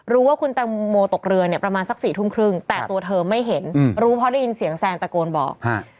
ว่าคุณแตงโมตกเรือเนี่ยประมาณสัก๔ทุ่มครึ่งแต่ตัวเธอไม่เห็นรู้เพราะได้ยินเสียงแซนตะโกนบอก